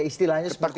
istilahnya seperti itu